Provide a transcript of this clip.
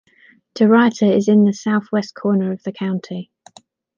DeRuyter is in the southwest corner of the county.